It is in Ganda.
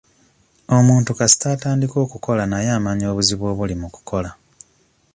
Omuntu kasita atandika okukola naye amanya obuzibu obuli mu kukola.